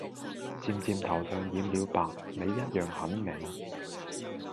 漸漸頭上染了白你一樣很美